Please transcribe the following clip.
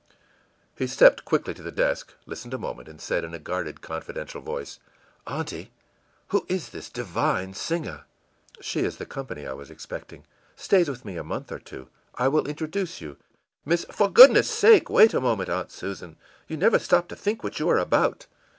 î He stepped quickly to the desk, listened a moment, and said in a guarded, confidential voice, ìAunty, who is this divine singer?î ìShe is the company I was expecting. Stays with me a month or two. I will introduce you. Miss î ìFor goodness' sake, wait a moment, Aunt Susan! You never stop to think what you are about!